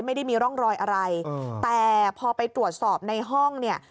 ไม่ได้มีร่องรอยอะไรแต่พอไปตรวจสอบในห้องเนี่ย